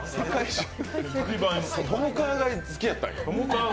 トムカーガイ好きやったんや。